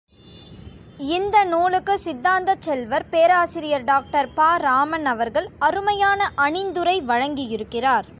இந்த நூலுக்கு சித்தாந்தச் செல்வர், பேராசிரியர் டாக்டர் பா.இராமன் அவர்கள் அருமையான அணிந்துரை வழங்கியிருக்கிறார்.